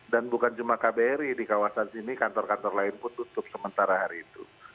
dan bukan cuma kbri di kawasan sini kantor kantor lain pun tutup sementara hari itu